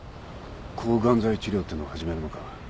抗ガン剤治療ってのを始めるのか。